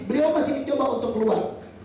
beliau masih dicoba untuk keluar